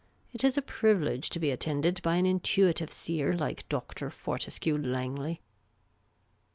It is a privilege to be attended by an intuitive seer like Dr. Fortescue Langley.